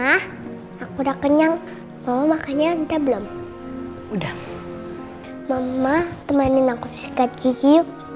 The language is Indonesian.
hai mah aku udah kenyang mau makanya udah belum udah mama temenin aku sikat gigi